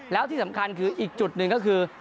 แล้วที่สำคัญคืออีกจุดหนึ่งก็คือ